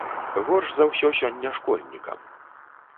Горш за ўсё сёння школьнікам.